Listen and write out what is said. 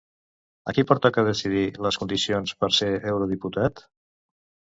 A qui pertoca decidir les condicions per ser eurodiputat?